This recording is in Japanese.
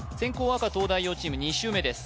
赤東大王チーム２周目です